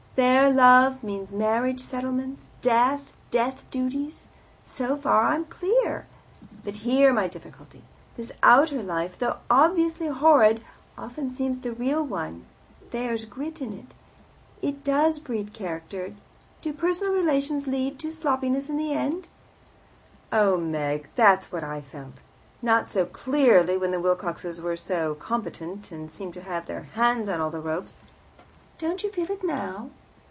There love means marriage settlements, death, death duties. So far I'm clear. But here my difficulty. This outer life, though obviously horrid, often seems the real one there's grit in it. It does breed character. Do personal relations lead to sloppiness in the end?" "Oh, Meg, that's what I felt, only not so clearly, when the Wilcoxes were so competent, and seemed to have their hands on all the ropes. " "Don't you feel it now?"